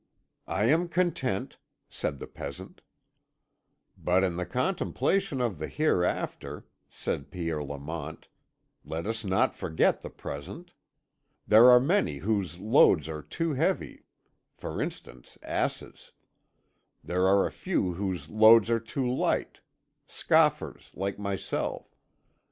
"I am content," said the peasant. "But in the contemplation of the Hereafter," said Pierre Lamont, "let us not forget the present. There are many whose loads are too heavy for instance, asses. There are a few whose loads are too light scoffers, like myself.